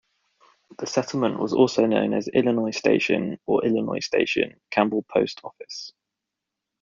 The settlement was also known as Illinois Station or Illinois Station, Campbell Post Office.